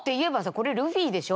これルフィでしょ？